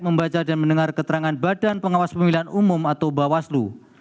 membaca dan mendengar keterangan badan pengawas pemilihan umum atau bawaslu